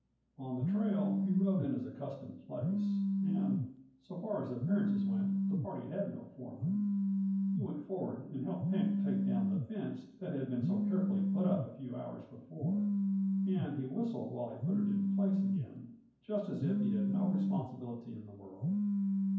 On the trail, he rode in his accustomed place, and, so far as appearances went, the party had no foreman. He went forward and helped Pink take down the fence that had been so carefully put up a few hours before, and he whistled while he put it in place again, just as if he had no responsibility in the world.